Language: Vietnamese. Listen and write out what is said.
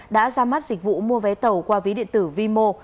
đã ra mắt dịch vụ mua vé tàu qua ví điện tử vimo